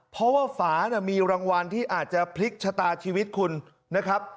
เพราะว่าฝามีรางวัลที่อาจจะพลิกชะตาชีวิตคุณนะครับ